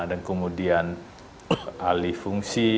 dan kemudian alih fungsi